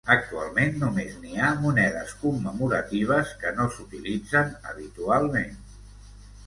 Actualment només n'hi ha monedes commemoratives que no s'utilitzen habitualment.